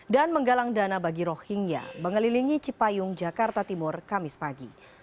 dan menggalang dana bagi rohingya mengelilingi cipayung jakarta timur kamis pagi